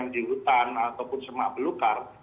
di hutan ataupun semak belukar